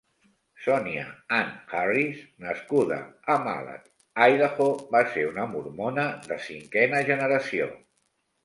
Sonia Ann Harris, nascuda a Malad, Idaho, va ser una mormona de cinquena generació.